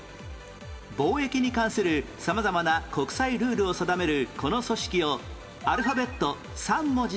貿易に関する様々な国際ルールを定めるこの組織をアルファベット３文字でなんという？